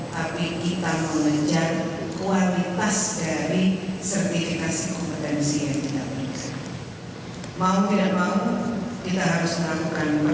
tapi kita melejar kuantitas dari sertifikasi kompetensi yang kita punya